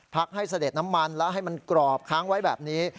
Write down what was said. ให้เสด็จน้ำมันแล้วให้มันกรอบค้างไว้แบบนี้